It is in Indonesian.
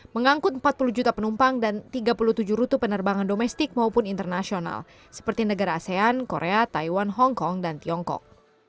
mengangkut empat puluh juta penumpang dan tiga puluh tujuh rute penerbangan domestik maupun internasional seperti negara asean korea taiwan hongkong dan tiongkok